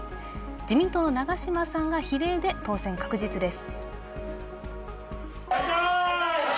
自民党の長島さんが比例で当選確実です。